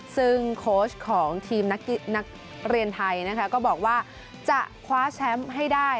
ซึ่งโค้ชของทีมนักเรียนไทยนะคะก็บอกว่าจะคว้าแชมป์ให้ได้